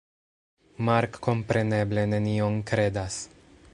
Mark kompreneble nenion kredas.